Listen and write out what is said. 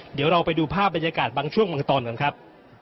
เดี๋ยวเราไปดูภาพบรรยากาศบางช่วงบางตอนกันครับ